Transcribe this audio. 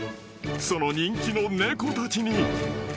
［その人気の猫たちに］